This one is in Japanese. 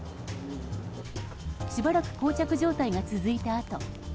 しばらく膠着状態が続いたあと。